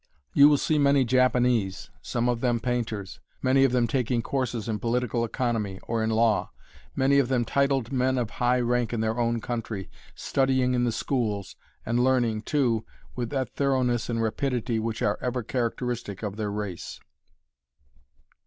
You will see many Japanese some of them painters many of them taking courses in political economy, or in law; many of them titled men of high rank in their own country, studying in the schools, and learning, too, with that thoroughness and rapidity which are ever characteristic of their race.